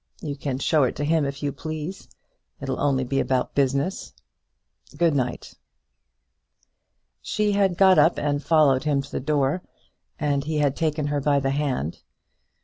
You can show it to him if you please. It'll only be about business. Good night." She had got up and followed him to the door, and he had taken her by the hand.